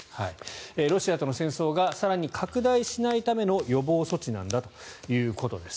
ロシアとの戦争が更に拡大しないための予防措置なんだということです。